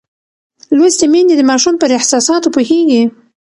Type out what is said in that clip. لوستې میندې د ماشوم پر احساساتو پوهېږي.